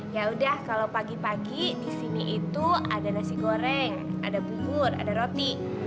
ya udah kalau pagi pagi di sini itu ada nasi goreng ada bubur ada roti